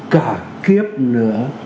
cả kiếp nữa